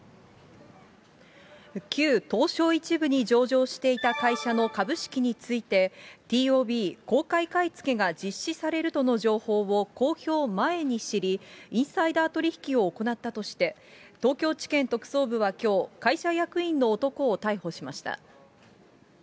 旧東証１部に上場していた会社の株式について、ＴＯＢ・公開買い付けが実施されるとの情報を公表前に知り、インサイダー取引を行ったとして、東京地検特捜部はきょう、会社役員の男を逮捕しました。